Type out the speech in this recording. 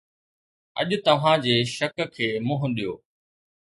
اڄ توهان جي شڪ کي منهن ڏيو